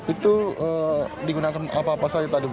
itu digunakan apa